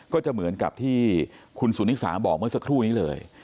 ก็จะเหมือนกับที่คุณสุนิสาบอกเมื่อสักครู่นี้เลย